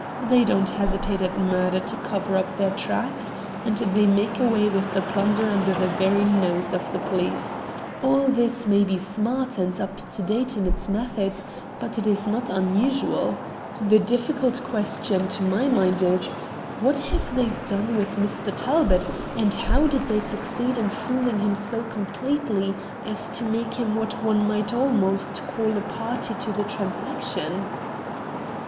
They don't hesitate at murder to cover up their tracks, and they make away with the plunder under the very noses of the police. All this may be smart and up to date in its methods, but it is not unusual. The difficult question to my mind is, what have they done with Mr. Talbot, and how did they succeed in fooling him so completely as to make him what one might almost call a party to the transaction?"